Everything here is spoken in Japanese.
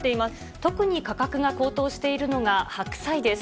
特に価格が高騰しているのが白菜です。